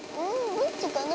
どっちかな？